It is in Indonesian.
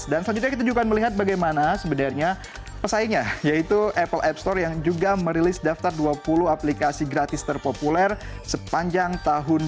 dan selanjutnya kita juga akan melihat bagaimana sebenarnya pesaingnya yaitu apple app store yang juga merilis daftar dua puluh aplikasi gratis terpopuler sepanjang tahun dua ribu delapan belas